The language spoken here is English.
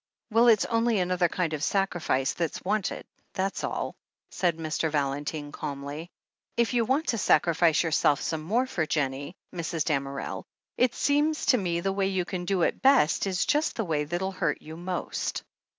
"Well, it's only another kind of sacrifice that's wanted, that's all," said Mr. Valentine calmly. "If you want to sacrifice yourself some more for Jennie, Mrs. Damerel, it seems to me the way you can do it 398 THE HEEL OF ACHILLES best is just the way that'll hurt you most.